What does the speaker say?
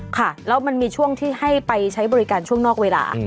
ค่ะแล้วมันมีช่วงที่ให้ไปใช้บริการช่วงนอกเวลา